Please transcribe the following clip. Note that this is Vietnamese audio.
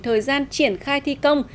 thời gian triển khai thi công